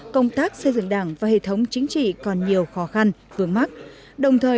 công tác xây dựng đảng và hệ thống chính trị còn nhiều khó khăn vướng mắt đồng thời